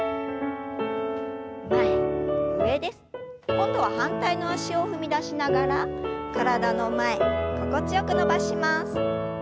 今度は反対の脚を踏み出しながら体の前心地よく伸ばします。